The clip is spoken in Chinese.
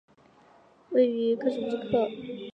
维捷尔尼科夫生于斯维尔德洛夫斯克。